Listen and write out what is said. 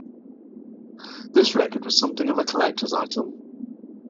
This record was something of a collector's item.